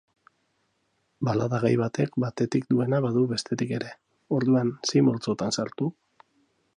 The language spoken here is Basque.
Balada gai batek batetik duena badu bestetik ere, orduan zein multzotan sartu?